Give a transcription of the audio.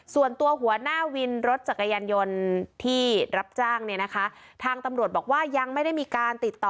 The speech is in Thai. หัวหน้าวินรถจักรยานยนต์ที่รับจ้างเนี่ยนะคะทางตำรวจบอกว่ายังไม่ได้มีการติดต่อ